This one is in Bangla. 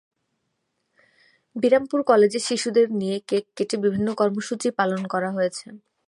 বিরামপুর কলেজে শিশুদের নিয়ে কেক কেটে বিভিন্ন কর্মসূচি পালন করা হয়েছে।